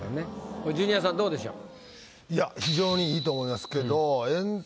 これジュニアさんどうでしょう？